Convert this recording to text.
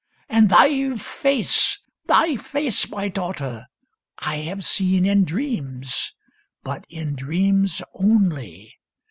And thy face, Thy face, my daughter, I have seen in dreams, But in dreams only.